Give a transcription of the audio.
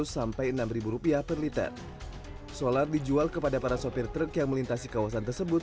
sampai enam ribu rupiah per liter solar dijual kepada para sopir truk yang melintasi kawasan tersebut